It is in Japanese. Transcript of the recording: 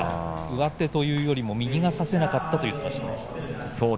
上手というよりも右が差せなかったと話していました。